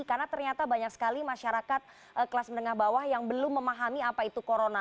karena ternyata banyak sekali masyarakat kelas menengah bawah yang belum memahami apa itu corona